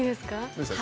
どうした？